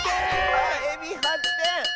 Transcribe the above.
あっエビ８てん！